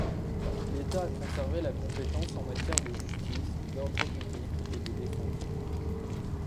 L'État a conservé la compétence en matière de justice, d'ordre public et de défense.